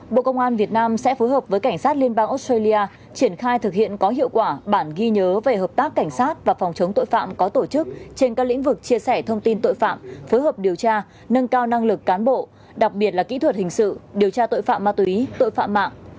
bộ công an việt nam sẽ phối hợp với cảnh sát liên bang australia triển khai thực hiện có hiệu quả bản ghi nhớ về hợp tác cảnh sát và phòng chống tội phạm có tổ chức trên các lĩnh vực chia sẻ thông tin tội phạm phối hợp điều tra nâng cao năng lực cán bộ đặc biệt là kỹ thuật hình sự điều tra tội phạm ma túy tội phạm mạng